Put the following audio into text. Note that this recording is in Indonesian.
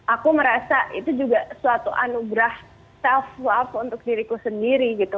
aku merasa itu juga suatu anugerah self love untuk diriku sendiri gitu